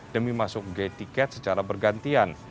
demi masuk gate tiket secara bergantian